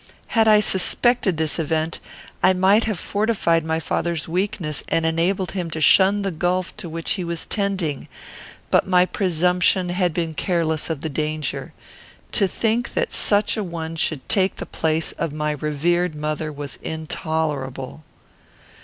Had I suspected this event, I might have fortified my father's weakness and enabled him to shun the gulf to which he was tending; but my presumption had been careless of the danger. To think that such a one should take the place of my revered mother was intolerable.